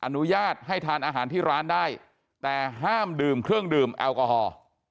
อนุญาตให้ทานอาหารที่ร้านได้แต่ห้ามดื่มเครื่องดื่มแอลกอฮอล์